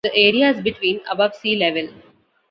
The area is between above sea level.